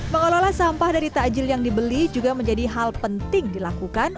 mengelola sampah dari takjil yang dibeli juga menjadi hal penting dilakukan